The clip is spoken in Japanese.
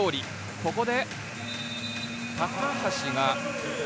ここで高橋が。